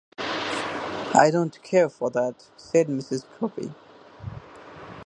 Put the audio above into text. "I don't care for that," said Mrs. Guppy.